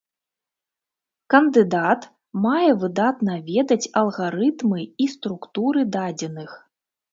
Кандыдат мае выдатна ведаць алгарытмы і структуры дадзеных.